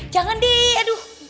jangan di aduh